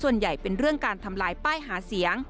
ส่วนใหญ่เป็นเรื่องการทำลายป้ายหาเสียง